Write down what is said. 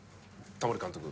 タモリ監督。